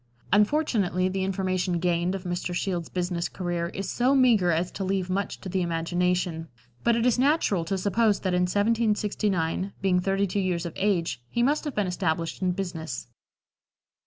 Unfortunately, the information gained of Mr. Shields' business career is so meagre as to leave much to the imagination, but it is natural to suppose that in 1769, being thirty two years of age, he must have been established in business.